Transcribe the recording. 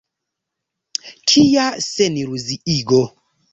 Kia seniluziigo.